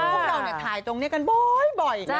พวกเราเนี่ยถ่ายตรงเนี่ยกันบ่อย